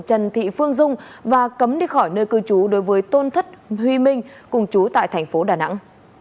trần thị phương dung và cấm đi khỏi nơi cư trú đối với tôn thất huy minh cùng chú tại thành phố đà nẵng